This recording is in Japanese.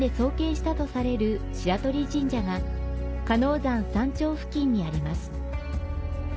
鹿野山山頂付近にあります。